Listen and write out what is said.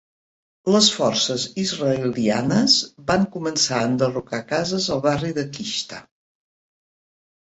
Les forces israelianes van començar a enderrocar cases al barri de Qishta.